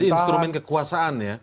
menjadi instrumen kekuasaan ya